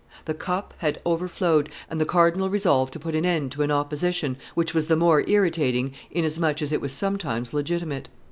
The cup had overflowed, and the cardinal resolved to put an end to an opposition which was the more irritating inasmuch as it was sometimes legitimate.